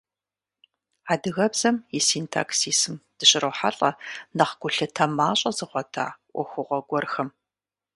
Адыгэбзэм и синтаксисым дыщрохьэлӏэ нэхъ гулъытэ мащӏэ зыгъуэта ӏуэхугъуэ гуэрхэм.